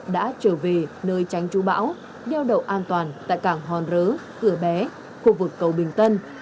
đã trở về nơi tránh chú bão nheo đậu an toàn tại cảng hòn rớ cửa bé khu vực cầu bình tân